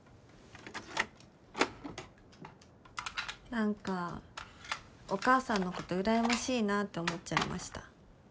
何かお母さんのこと羨ましいなって思っちゃいました。